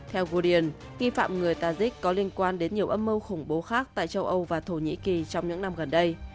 theo godian nghi phạm người tajik có liên quan đến nhiều âm mưu khủng bố khác tại châu âu và thổ nhĩ kỳ trong những năm gần đây